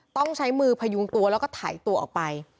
ต้องใช้มือพยุงตัวแล้วก็ไถตัวออกไป